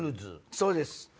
そうです。